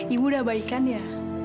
ibu udah baik kan ya